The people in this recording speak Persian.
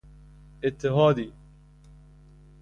اتحادی